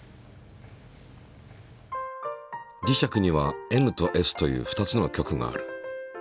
磁石にはＮとＳという２つの極がある。